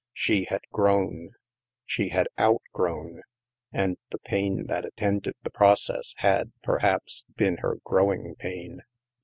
She had grown. She had o«^grown, and the pain that attended the process had, perhaps, been her grow ing pain.